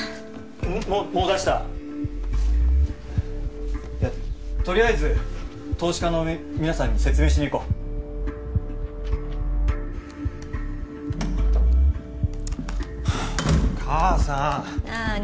ん？ももう出したとりあえず投資家のみ皆さんに説明しに行こう母さんなあに？